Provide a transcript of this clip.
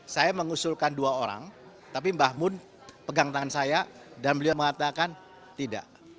saya mengusulkan dua orang tapi mbah mun pegang tangan saya dan beliau mengatakan tidak